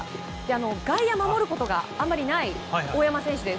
外野を守ることがあまりない大山選手で。